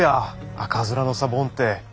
赤面のサボンて！